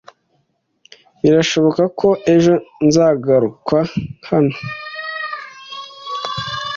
Birashoboka ko ejo nzagaruka hano.